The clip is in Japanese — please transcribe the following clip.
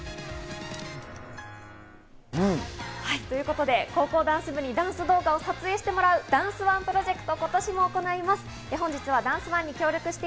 ということで高校ダンス部にダンス動画を撮影してもらうダンスＯＮＥプロジェクト。